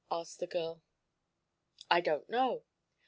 asked the girl. "I don't know."